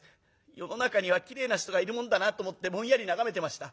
世の中にはきれいな人がいるもんだなと思ってぼんやり眺めてました。